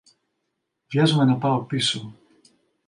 Βιάζομαι να πάω πίσω.